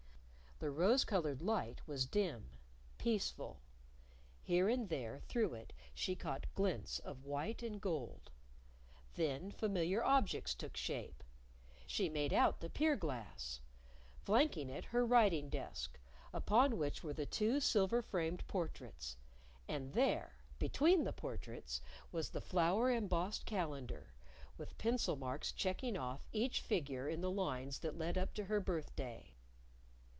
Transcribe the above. The rose colored light was dim, peaceful. Here and there through it she caught glints of white and gold. Then familiar objects took shape. She made out the pier glass; flanking it, her writing desk, upon which were the two silver framed portraits. And there between the portraits was the flower embossed calendar, with pencil marks checking off each figure in the lines that led up to her birthday.